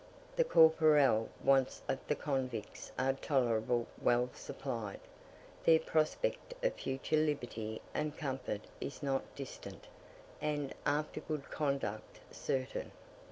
The corporeal wants of the convicts are tolerably well supplied: their prospect of future liberty and comfort is not distant, and, after good conduct, certain.